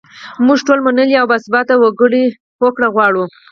موږ ټول منلې او باثباته هوکړه غواړو.